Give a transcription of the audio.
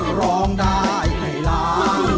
คือร้องได้ให้ร้าง